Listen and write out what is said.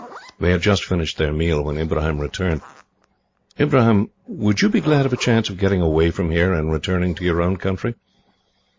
They had just finished their meal, when Ibrahim returned. "Ibrahim, would you be glad of a chance of getting away from here, and returning to your own country?"